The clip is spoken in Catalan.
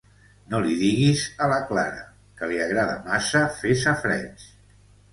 No li diguis a la Clara, que li agrada massa fer safareig.